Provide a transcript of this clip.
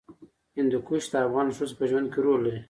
هندوکش د افغان ښځو په ژوند کې رول لري.